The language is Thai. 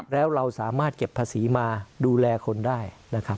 แล้วเราสามารถเก็บภาษีมาดูแลคนได้นะครับ